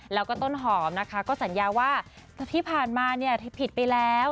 แล้วก็ต้นหอมนะคะก็สัญญาว่าที่ผ่านมาผิดไปแล้ว